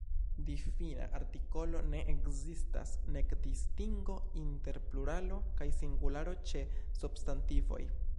Difina artikolo ne ekzistas, nek distingo inter pluralo kaj singularo ĉe substantivoj.